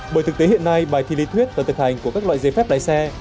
bởi thực tế hiện nay bài thi lý thuyết và thực hành của các loại giấy phép lái xe